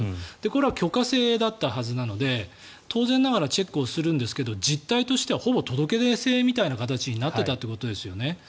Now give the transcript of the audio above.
これは許可制だったはずなので当然ながらチェックをするんですが実態としてはほぼ届出制みたいな形になっていたということですよね。